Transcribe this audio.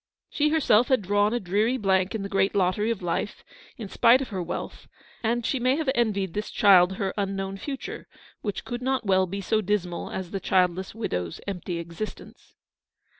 She herself had drawn a dreary blank in the great lottery of life, in spite of her wealth ; and she may have envied this child her unknown future, which could not well be so dismal as the childless widow's empty existence.